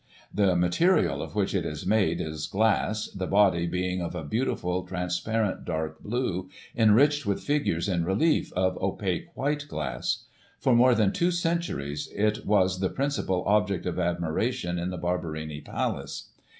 The material of which it is made is glass, the body being of a beautiful transparent dark blue, enriched with figures in relief, of opaque white glass. For more than two centuries it was the principal object of admiration in the Barberini Palace.